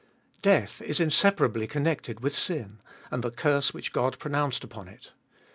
Death is inseparably connected with sin, and the curse which God pronounced upon it.